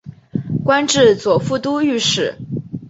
官至左副都御史。